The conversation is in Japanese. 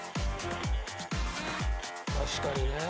確かにねえ。